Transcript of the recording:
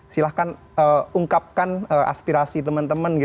silahkan ungkapkan aspirasi teman teman